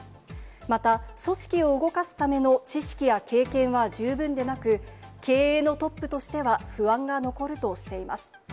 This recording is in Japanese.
また、組織を動かすための知識や経験は十分でなく、経営のトップとしては不安が残るとしています。